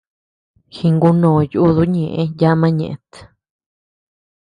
Jingunoo yúduu ñeʼë yama ñëʼét.